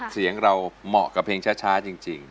เสียงเราเหมาะกับเพลงช้าจริง